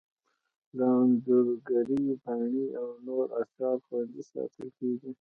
د انځورګرۍ پاڼې او نور اثار خوندي ساتل کیږي.